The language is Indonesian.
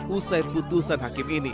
usai putusan hakim ini